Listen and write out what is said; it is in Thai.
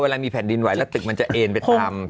พอเวลามีแผ่นดินไว้และตึกมันจะเอนทางไปทำ